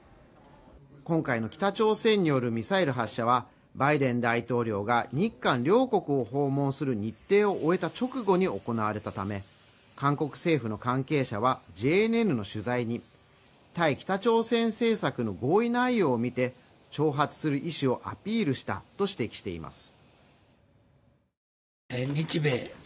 今回の北朝鮮によるミサイル発射はバイデン大統領が日韓両国を訪問する日程を終えた直後に行われたため韓国政府の関係者はＪＮＮの取材に対北朝鮮政策の合意内容を見て挑発する意思をアピールしたと指摘しています